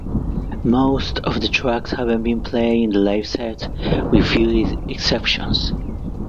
Most of the tracks haven't been played in the live set, with few exceptions.